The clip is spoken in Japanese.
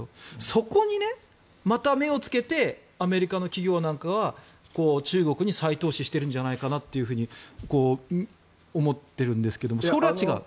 そこにまた目をつけてアメリカの企業なんかは、中国に再投資しているんじゃないかと思っているんですけどもそれは違う？